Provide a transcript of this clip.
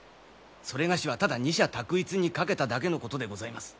それがしはただ二者択一に賭けただけのことでございます。